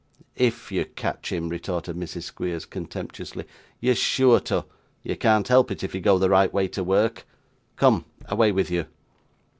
'IF you catch him,' retorted Mrs. Squeers, contemptuously; 'you are sure to; you can't help it, if you go the right way to work. Come! Away with you!